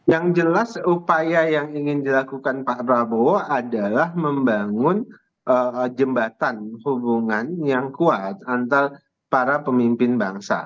yang jelas upaya yang ingin dilakukan pak prabowo adalah membangun jembatan hubungan yang kuat antara para pemimpin bangsa